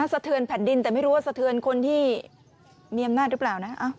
สะเทือนแผ่นดินแต่ไม่รู้ว่าสะเทือนคนที่มีอำนาจหรือเปล่านะ